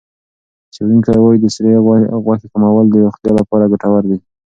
څېړونکي وايي د سرې غوښې کمول د روغتیا لپاره ګټور دي.